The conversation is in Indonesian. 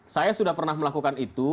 saya sudah pernah melakukan itu